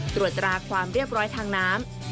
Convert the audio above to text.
ตรวจตราความเรียบร้อยทางน้ำ